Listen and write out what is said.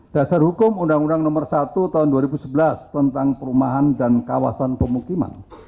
dasar hukum undang undang nomor satu tahun dua ribu sebelas tentang perumahan dan kawasan pemukiman